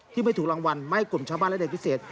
ไม่ถูกรางวัลไม่ให้กลุ่มชาวบ้านและเด็กพิเศษ